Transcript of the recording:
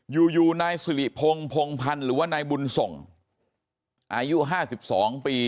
อยู่นายสิริพงศ์พงพันธ์หรือว่านายบุญส่งอายุ๕๒ปี